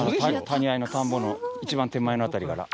谷あいの田んぼの一番手前の辺りから。